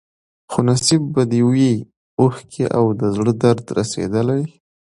خو نصیب به دي وي اوښکي او د زړه درد رسېدلی